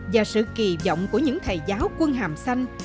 và sự kỳ vọng của những thầy giáo quân hàm xanh